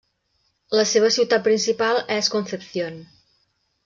La seva ciutat principal és Concepción.